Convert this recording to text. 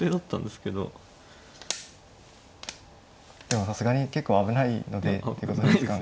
でもさすがに結構危ないのでってことですか。